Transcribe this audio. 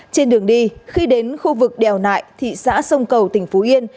trên đường đi khi đến khu vực đèo nại thị xã sông cầu tỉnh phú yên